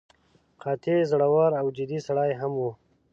قاطع، زړور او جدي سړی هم و.